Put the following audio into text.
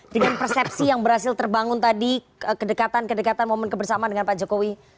dengan persepsi yang berhasil terbangun tadi kedekatan kedekatan momen kebersamaan dengan pak jokowi